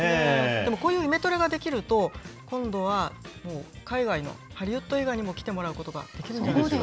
でもこういうイメトレができると、今度は海外のハリウッド映画にも来てもらうことができるんじゃないですか。